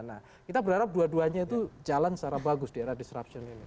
nah kita berharap dua duanya itu jalan secara bagus di era disruption ini